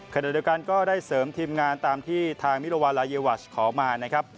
ในการทีมงานก็ได้เส๙๐ตามที่ธาปต์นิฏรวัลลายเยียหวัชขอมา